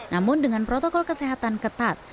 namun dengan protokol kesehatan ketat